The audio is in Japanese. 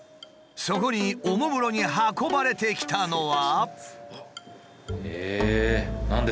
そこにおもむろに運ばれてきたのは。